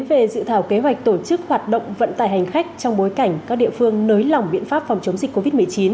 về dự thảo kế hoạch tổ chức hoạt động vận tải hành khách trong bối cảnh các địa phương nới lỏng biện pháp phòng chống dịch covid một mươi chín